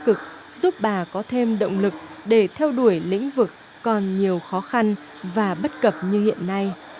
các dự án này cũng là những tín hiệu tích cực giúp bà có thêm động lực để theo đuổi lĩnh vực còn nhiều khó khăn và bất cập như hiện nay